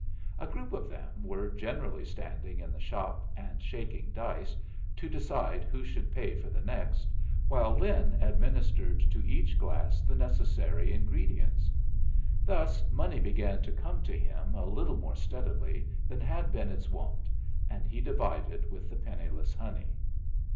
A group of them were generally standing in the shop and shaking dice to decide who should pay for the next, while Lin administered to each glass the necessary ingredients. Thus money began to come to him a little more steadily than had been its wont, and he divided with the penniless Honey.